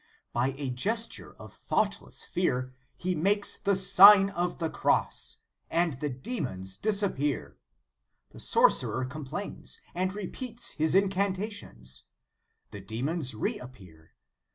By a gesture of thoughtless fear, he makes the Sign of the Cross, and the demons disap pear. The sorcerer complains, and repeats his incantations. The demons reappear.